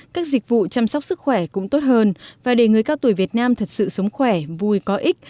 các dịch vụ chăm sóc sức khỏe cũng tốt hơn và để người cao tuổi việt nam thật sự sống khỏe vui có ích